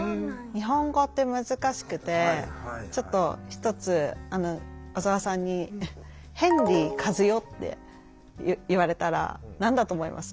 日本語って難しくてちょっと一つ小沢さんに「ヘンリーカズヨ」って言われたら何だと思います？